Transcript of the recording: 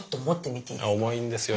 重いんですよ。